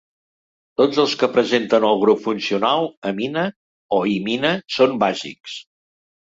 Tots els que presenten el grup funcional amina o imina són bàsics.